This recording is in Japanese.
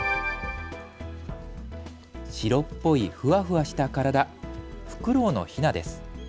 白っぽいふわふわした体フクロウのヒナです。